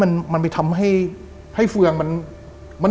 มันไปทำให้เฟืองมัน